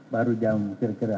baru jam kira kira